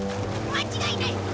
間違いない！